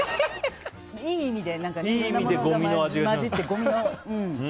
いい意味でいろんなものが混じってごみの。